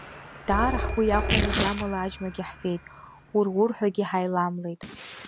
Даара ҳгәы иахәаны гьамала аџьмажьы ҳфеит, ур-урҳәагьы ҳаиламлеит.